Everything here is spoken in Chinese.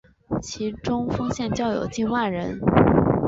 其中丰县教友近万人。